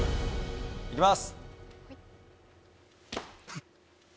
行きます。